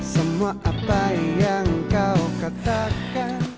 semua apa yang kau katakan